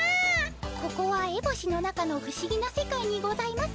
ここはエボシの中のふしぎな世界にございます。